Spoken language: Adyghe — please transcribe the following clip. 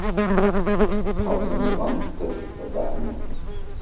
Къэбзэныгъэм тэ тыфэбанэ.